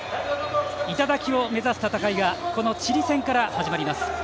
頂を目指す戦いがこのチリ戦から始まります。